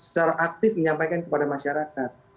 secara aktif menyampaikan kepada masyarakat